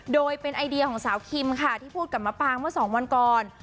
โดยเป็นไอเดียของสาวคิมค่ะที่พูดกับมะปางเมื่อสองวันก่อน